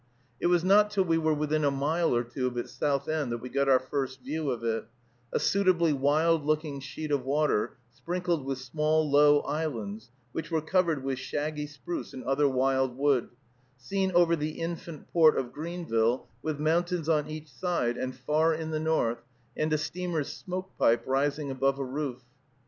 It was not till we were within a mile or two of its south end that we got our first view of it, a suitably wild looking sheet of water, sprinkled with small, low islands, which were covered with shaggy spruce and other wild wood, seen over the infant port of Greenville with mountains on each side and far in the north, and a steamer's smoke pipe rising above a roof.